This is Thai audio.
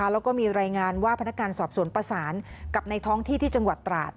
แล้วก็มีรายงานว่าพนักงานสอบสวนประสานกับในท้องที่ที่จังหวัดตราด